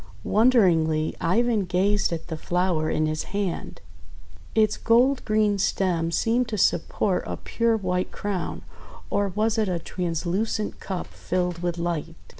Wonderingly Ivan gazed at the flower in his hand. Its gold green stem seemed to support a pure white crown, — or was it a translucent cup filled with light!